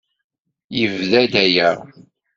Yebda-d aya.